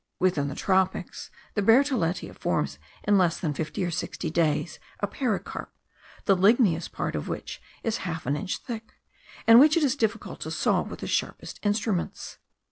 Within the tropics, the bertholletia forms in less than fifty or sixty days a pericarp, the ligneous part of which is half an inch thick, and which it is difficult to saw with the sharpest instruments.